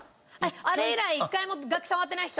あれ以来１回も楽器触ってない人？